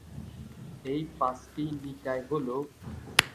এই পাঁচটি নিকায় হল